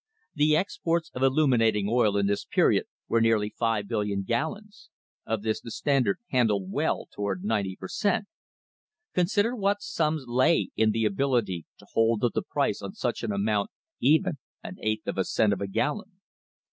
The exports of illuminating oil in this period were nearly 5,000,000,000 gallons; of this the Standard handled well toward ninety per cent. Consider what sums lay in the abil ity to hold up the price on such an amount even an eighth of a cent a gallon.